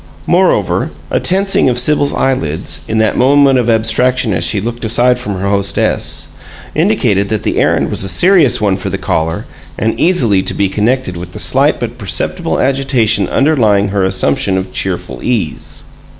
Moreover, a tensing of Sibyl's eyelids, in that moment of abstraction as she looked aside from her hostess, indicated that the errand was a serious one for the caller and easily to be connected with the slight but perceptible agitation underlying her assumption of cheerful ease.